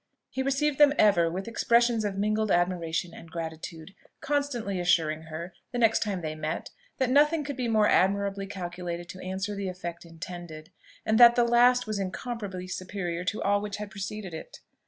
He received them ever with expressions of mingled admiration and gratitude, constantly assuring her, the next time they met, that nothing could be more admirably calculated to answer the effect intended, and that the last was incomparably superior to all which had preceded it.